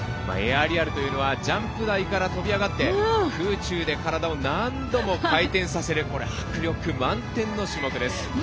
エアリアルというのはジャンプ台からとび上がって空中で体を何度も回転させる迫力満点の種目です。